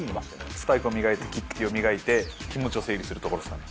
スパイクを磨いて、キックティーを磨いて、気持ちを整理するところですかね。